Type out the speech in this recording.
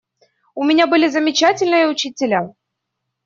У меня были замечательные учителя.